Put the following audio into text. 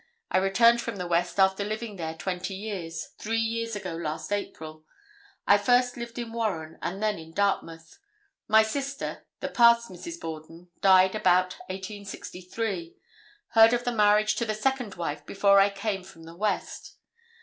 I returned from the West after living there 20 years, three years ago last April. I first lived in Warren and then in Dartmouth. My sister, the past Mrs. Borden, died about 1863. Heard of the marriage to the second wife before I came from the West.